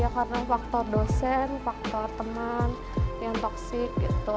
karena faktor dosen faktor teman yang toksik